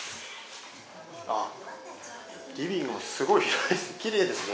あぁリビングもすごい広いきれいですね